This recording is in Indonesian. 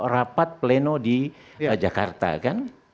rapat pleno di jakarta kan